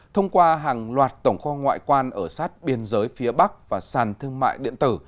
thông qua hàng loạt tổng kho ngoại quan ở sát biên giới phía bắc và sàn thương mại điện tử